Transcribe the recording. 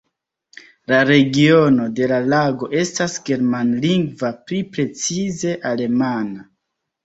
La regiono de la lago estas germanlingva, pli precize alemana.